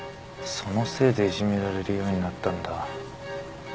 そのせいでいじめられるようになったんだ。